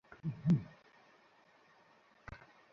তাই, যাই আঁকছ, শেষ করো।